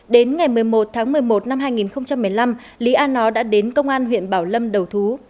đến ngày một mươi một tháng một mươi một năm hai nghìn một mươi năm lý an nó đã đến công an huyện bảo lâm đầu thú